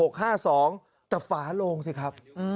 จะฝาลงสิครับ